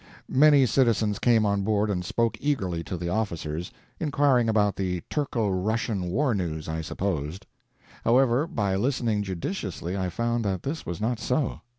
Many citizens came on board and spoke eagerly to the officers inquiring about the Turco Russian war news, I supposed. However, by listening judiciously I found that this was not so.